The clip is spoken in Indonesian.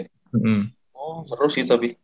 oh seru sih tapi